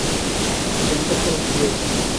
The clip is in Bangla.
ক্যাম্পের পরে কি হয়েছিল?